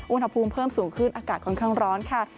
อุณหภูมิเพิ่มสูงขึ้นอากาศค่อนข้างร้อนค่ะ